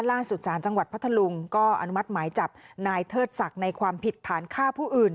ล่าสุดสารจังหวัดพัทธลุงก็อนุมัติหมายจับนายเทิดศักดิ์ในความผิดฐานฆ่าผู้อื่น